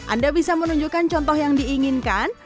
anda bisa menunjukkan contoh yang diinginkan